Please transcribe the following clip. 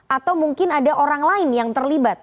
atau mungkin ada orang lain yang terlibat